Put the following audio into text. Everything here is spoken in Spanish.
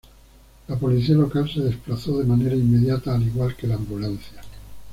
La Policía Local se desplazó de manera inmediata al igual que la ambulancia.